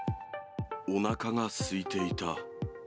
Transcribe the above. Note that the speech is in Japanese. おなかがすいていた。